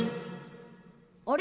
あれ？